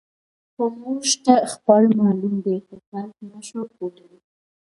خو موږ ته خلک معلوم دي، خو خلک نه شو ښودلی.